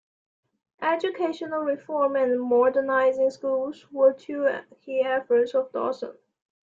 Educational reform and modernizing schools were two key efforts of Dosan.